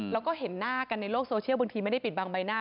แล้วก็เห็นหน้ากันในโลกโซเชียลบางทีไม่ได้ปิดบางใบหน้า